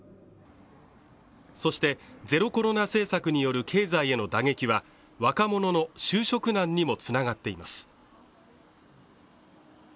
そしてゼロコロナ政策による経済への打撃は若者の就職難にもつながっています